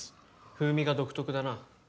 風味が独特だな。